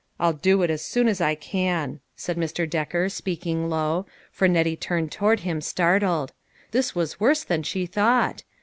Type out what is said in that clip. " I'll do it as soon as I can," said Mr. Decker, speaking low, for Nettie turned toward him startled ; this was worse than she thought.